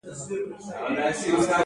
هغه غواړي د تولید نوي ماشینونه وپېري